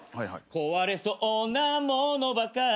「こわれそうなものばかり」